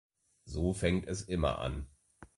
So fängt es immer an.